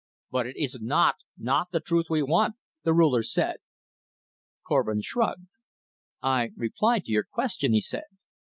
"But it is not not the truth we want," the Ruler said. Korvin shrugged. "I replied to your question," he said.